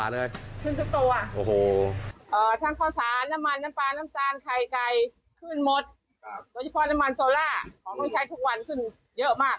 โดยเฉพาะน้ำมันโซล่าของมันใช้ทุกวันขึ้นเยอะมาก